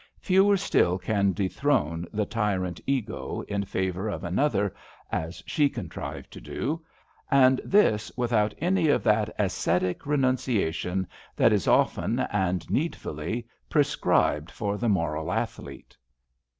Fewer still can dethrone the tyrant Ego in favour of another, as she contrived to do, and this without any of that ascetic renunciation that is often, and needfully, prescribed for 80 ^ JANE AND ME the moral athlete.